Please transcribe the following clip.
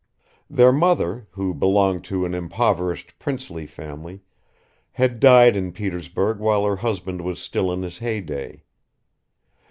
Their mother, who belonged to an impoverished princely family, had died in Petersburg while her husband was still in his heyday.